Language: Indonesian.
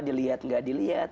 dilihat nggak dilihat